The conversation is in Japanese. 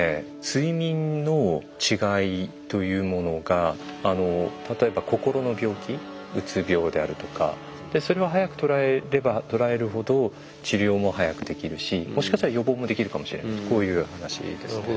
睡眠の違いというものが例えば心の病気うつ病であるとかそれは早く捉えれば捉えるほど治療も早くできるしもしかしたら予防もできるかもしれないとこういう話ですね。